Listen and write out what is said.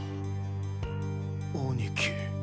兄貴。